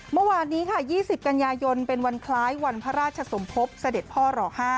เมื่อวานนี้ค่ะ๒๐กันยายนเป็นวันคล้ายวันพระราชสมภพเสด็จพ่อหล่อ๕